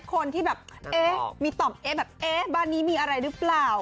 คนที่แบบเอ๊ะเปอ่าบ่านมีอะไรเจอรึเปล่า